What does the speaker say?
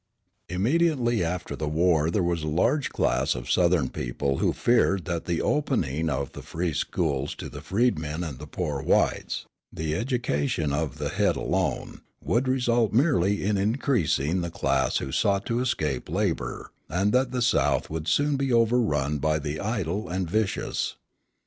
Immediately after the war there was a large class of Southern people who feared that the opening of the free schools to the freedmen and the poor whites the education of the head alone would result merely in increasing the class who sought to escape labour, and that the South would soon be overrun by the idle and vicious.